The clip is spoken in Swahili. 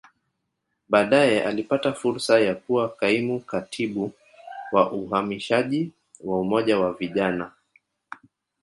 Baadae alipata fursa ya kuwa Kaimu Katibu wa Uhamasishaji wa Umoja wa Vijana